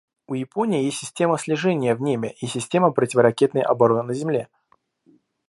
У Японии есть система слежения в небе и система противоракетной обороны на земле.